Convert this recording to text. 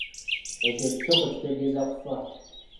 Ekyo ekisoko kitegeeza kufa.